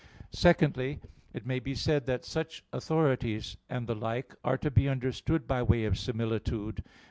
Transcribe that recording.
Secondly, it may be said that such authorities and the like are to be understood by way of similitude.